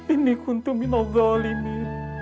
inni kuntu minal dhalimin